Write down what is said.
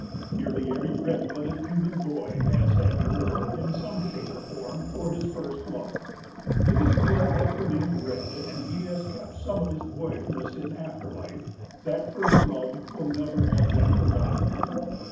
"Nearly every red blooded human boy has had war, in some shape or form, for his first love; if his blood has remained red and he has kept some of his boyishness in after life, that first love will never have been forgotten.